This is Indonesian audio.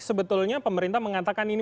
sebetulnya pemerintah mengatakan ini